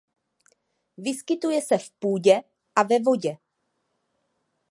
Vyskytuje se v půdě a ve vodě.